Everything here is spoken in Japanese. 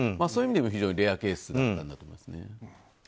そういう意味でも非常にレアケースだと思いますね。